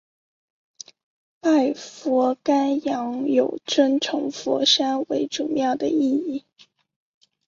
拜佛钳羊有尊崇佛山为祖庙的意义。